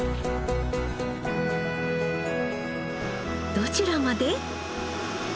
どちらまで？